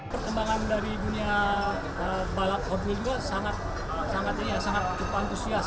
perkembangan dari dunia balap hobi juga sangat sangat ya sangat sangat antusias